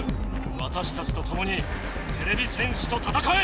わたしたちとともにてれび戦士と戦え！